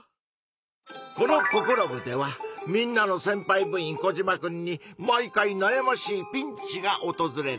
この「ココロ部！」ではみんなのせんぱい部員コジマくんに毎回なやましいピンチがおとずれる。